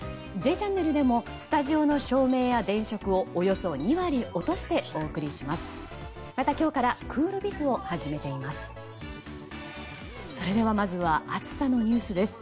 「Ｊチャンネル」でもスタジオの照明や電飾をおよそ２割落としてお送りします。